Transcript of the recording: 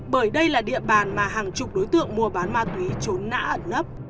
bởi đây là địa bàn mà hàng chục đối tượng mua bán ma túy trốn nạn